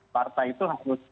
partai itu harus